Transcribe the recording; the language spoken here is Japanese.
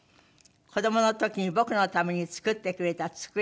「子どもの時に僕のために作ってくれた机です」